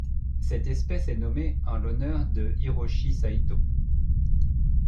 Cette espèce est nommée en l'honneur de Hiroshi Saito.